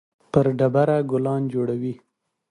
پر ډبره ګلان جوړوي